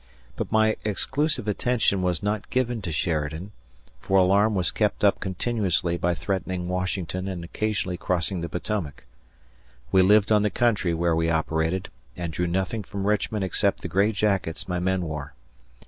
But my exclusive attention was not given to Sheridan, for alarm was kept up continuously by threatening Washington and occasionally crossing the Potomac. We lived on the country where we operated and drew nothing from Richmond except the gray jackets my men wore.